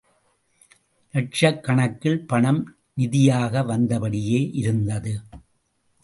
லட்சக் கணக்கில் பணம் நிதியாக வந்தபடியே இருந்தது.